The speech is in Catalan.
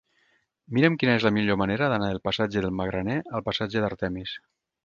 Mira'm quina és la millor manera d'anar del passatge del Magraner al passatge d'Artemis.